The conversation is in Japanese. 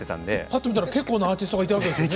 ぱっと見たら結構なアーティストがいたわけですね。